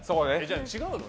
違うの？